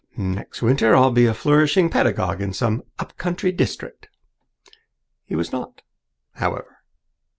Next winter I'll be a flourishing pedagogue in some up country district." He was not, however.